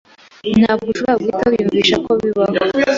Ntabwo ushobora guhita wiyumvisha ko bibaho